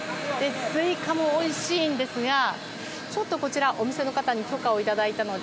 スイカもおいしいんですがこちら、お店の方に許可をいただいたので。